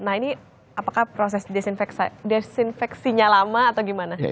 nah ini apakah proses desinfeksinya lama atau gimana